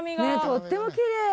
とってもきれい。